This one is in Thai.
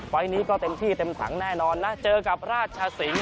ไฟล์นี้ก็เต็มที่เต็มถังแน่นอนนะเจอกับราชสิงห